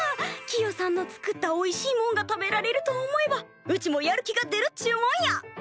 キヨさんの作ったおいしいもんが食べられると思えばうちもやる気が出るっちゅうもんや！